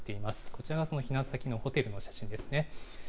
こちらがその避難先のホテルの写真ですね。